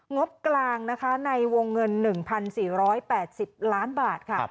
งบกลางนะคะในวงเงิน๑๔๘๐ล้านบาทค่ะ